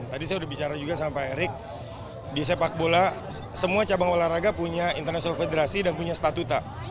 tadi saya sudah bicara juga sama pak erick di sepak bola semua cabang olahraga punya international federasi dan punya statuta